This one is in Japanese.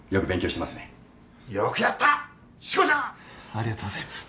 ありがとうございます。